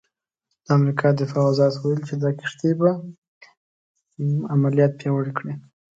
د امریکا دفاع وزارت ویلي چې دا کښتۍ به عملیات پیاوړي کړي.